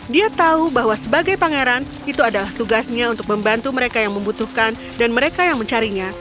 dia tahu bahwa sebagai pangeran itu adalah tugasnya untuk membantu mereka yang membutuhkan dan mereka yang mencarinya